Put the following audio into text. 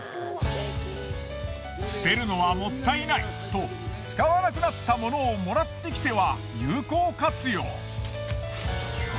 捨てるのはもったいないと使わなくなったものを貰ってきては有効活用。